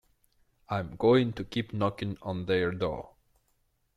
I'm going to keep knocking on their door.